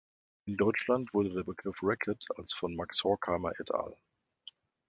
In Deutschland wurde der Begriff "Racket" als von Max Horkheimer et al.